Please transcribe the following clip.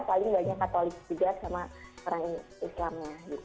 paling banyak katolik juga sama orang islamnya